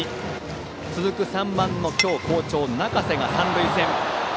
続く３番の今日、好調の中瀬が三塁線へ。